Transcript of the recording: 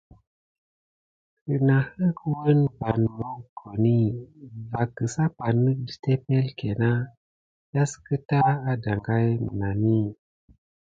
Kənahet woun van mogoni va kəsapanek də tepelke na yas kəta a dangay mənani.